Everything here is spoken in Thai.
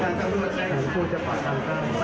ยังไม่มีฝ่ายกล้อง